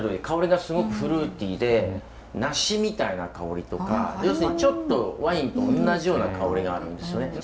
香りがすごくフルーティーで梨みたいな香りとか要するにちょっとワインと同じような香りがあるんですよね。